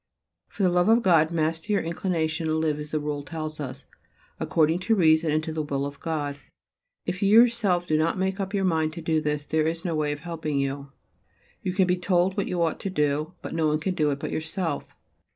For the love of God, master your inclination and live as the Rule tells us, according to reason and to the will of God. If you yourself do not make up your mind to this, there is no way of helping you. You can be told what you ought to do, but no one can do it but yourself.